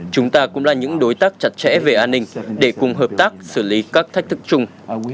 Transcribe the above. chúng ta cũng là những đối tác chặt chẽ về an ninh để cùng hợp tác xử lý các thách thức chung